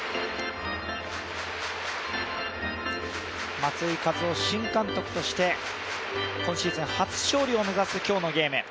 松井稼頭央新監督として、今シーズン初勝利を目指す今日のゲーム。